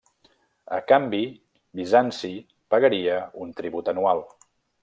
A canvi, Bizanci pagaria un tribut anual.